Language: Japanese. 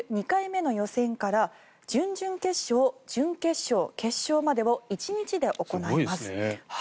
２回目の予選から準々決勝、準決勝、決勝までを１日で行います。